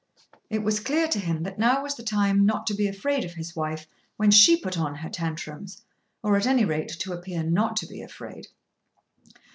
It was clear to him that now was the time not to be afraid of his wife when she put on her tantrums, or at any rate, to appear not to be afraid.